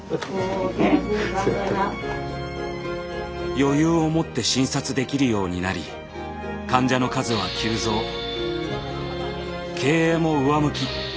余裕を持って診察できるようになり経営も上向き。